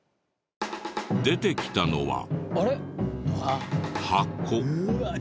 出てきたのは箱。